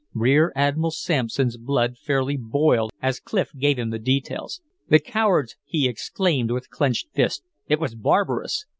Rear Admiral Sampson's blood fairly boiled as Clif gave him the details. "The cowards!" he exclaimed, with clinched fist. "It was barbarous!"